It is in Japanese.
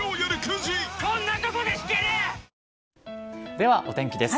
では、お天気です。